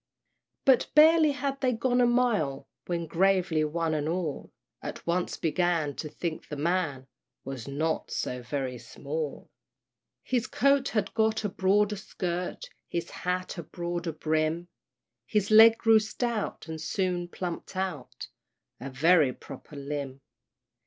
But barely had they gone a mile, When, gravely, one and all At once began to think the man Was not so very small: His coat had got a broader skirt, His hat a broader brim; His leg grew stout, and soon plumped out A very proper limb.